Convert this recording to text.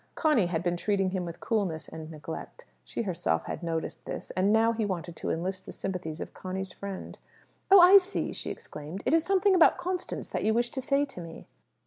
Conny had been treating him with coolness and neglect. She herself had noticed this, and now he wanted to enlist the sympathies of Conny's friend. "Oh, I see!" she exclaimed. "It's something about Constance that you wish to say to me."